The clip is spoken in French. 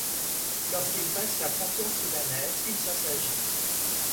Lorsqu'il passe la frontière soudanaise, il s'assagit.